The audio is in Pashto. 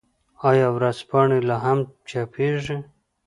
آیا ورځپاڼې لا هم چاپيږي؟